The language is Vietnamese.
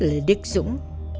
lê đức dũng